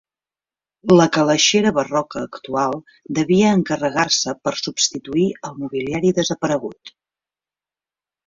La calaixera barroca actual devia encarregar-se per substituir el mobiliari desaparegut.